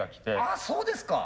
あそうですか。